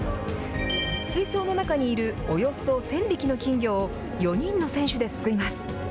水槽の中にいるおよそ１０００匹の金魚を、４人の選手ですくいます。